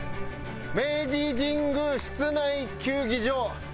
明治神宮室内球技場。